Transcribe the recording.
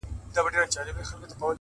په دې پوهېږمه چي ورځ په ورځ کميږي ژوند!